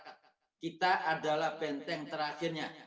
kita adalah penteng terakhirnya